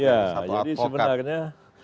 ya jadi sebenarnya